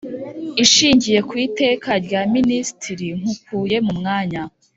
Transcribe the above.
Ishingiye ku Iteka rya Ministiri nkukuye mumwanya